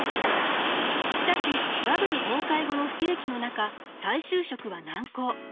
しかしバブル崩壊後の不景気の中再就職は難航。